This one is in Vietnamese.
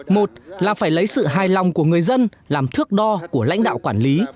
một là phải lấy sự hài lòng của người dân làm thước đo của lãnh đạo quản lý